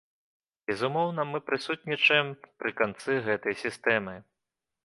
Безумоўна, мы прысутнічаем пры канцы гэтай сістэмы.